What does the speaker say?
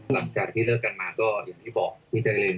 หลังจากที่เลิกกันมาก็อย่างที่บอกพี่เจริญ